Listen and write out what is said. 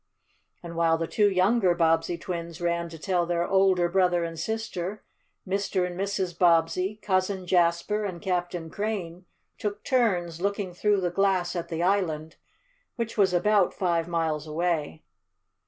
And while the two younger Bobbsey twins ran to tell their older brother and sister, Mr. and Mrs. Bobbsey, Cousin Jasper and Captain Crane took turns looking through the glass at the island, which was about five miles away.